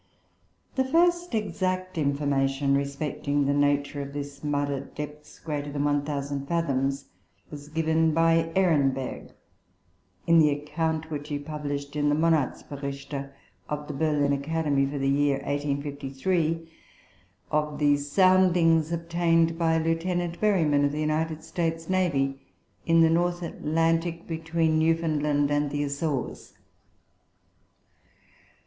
The first exact information respecting the nature of this mud at depths greater than 1,000 fathoms was given by Ehrenberg, in the account which he published in the "Monatsberichte" of the Berlin Academy for the year 1853, of the soundings obtained by Lieut. Berryman, of the United States Navy, in the North Atlantic, between Newfoundland and the Azores.